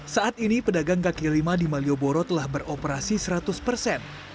saat ini pedagang kaki lima di malioboro telah beroperasi seratus persen